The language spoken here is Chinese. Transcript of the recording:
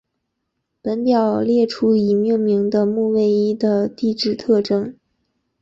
本表列出已命名的土卫一的地质特征。